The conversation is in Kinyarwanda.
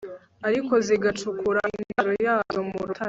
ariko zigacukura indaro yazo mu rutare